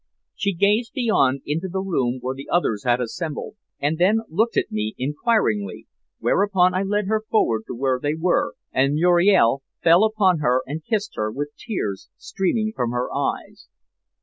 She gazed beyond into the room where the others had assembled, and then looked at me inquiringly, whereupon I led her forward to where they were, and Muriel fell upon her and kissed her with tears streaming from her eyes.